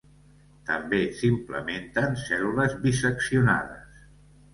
També s'implementen cèl·lules bi-seccionades.